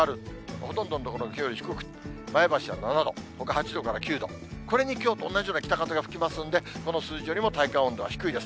ほとんどの所がきょうより低く、前橋は７度、ほか８度から９度、これにきょうと同じような北風が吹きますんで、この数字よりも体感温度は低いです。